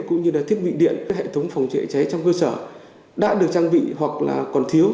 cũng như là thiết bị điện hệ thống phòng cháy cháy trong cơ sở đã được trang bị hoặc là còn thiếu